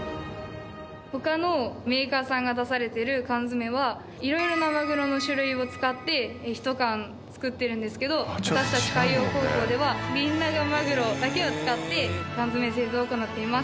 他のメーカーさんが出されている缶詰は色々なマグロの種類を使って一缶作ってるんですけど私たち海洋高校ではビンナガマグロだけを使って缶詰製造を行っています。